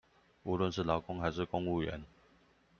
無論是勞工還是公務員